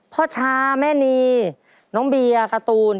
พ่อชาแม่นีน้องเบียร์การ์ตูน